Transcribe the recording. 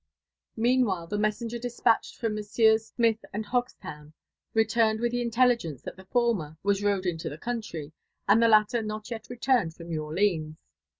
Meanwhile the messenger despatched for Messieurs Smith and Hogs town returned with the intelligence that the former *' was rode into the country," and the latter not yet returned from New Orleans.